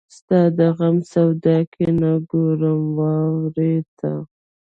ستا د غم سودا کې نه ګورم وارې ته